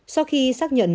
sau khi xác nhận